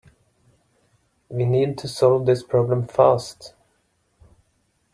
We need to solve this problem fast.